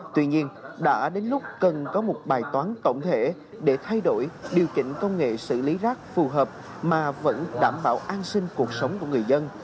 tuy nhiên đã đến lúc cần có một bài toán tổng thể để thay đổi điều chỉnh công nghệ xử lý rác phù hợp mà vẫn đảm bảo an sinh cuộc sống của người dân